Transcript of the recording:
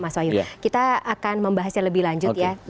mas wahyu kita akan membahasnya lebih lanjut ya